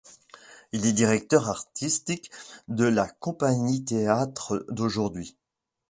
Il est directeur artistique de la Compagnie Théâtre d'Aujourd'hui.